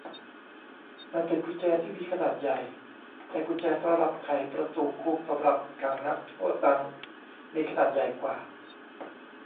มันเป็นกุญแจที่มีขนาดใหญ่ แต่กุญแจสำหรับไขประตูคุกสำหรับขังนักโทษนั้นมีขนาดใหญ่กว่า